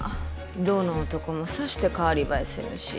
どの男もさして代わり映えせぬし。